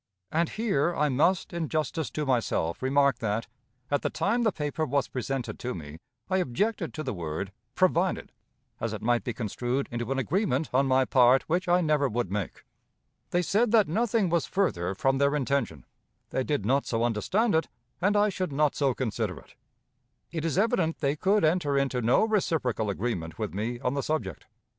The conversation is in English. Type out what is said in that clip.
And here I must, in justice to myself, remark that, at the time the paper was presented to me, I objected to the word "provided," as it might be construed into an agreement, on my part, which I never would make. They said that nothing was further from their intention; they did not so understand it, and I should not so consider it. It is evident they could enter into no reciprocal agreement with me on the subject.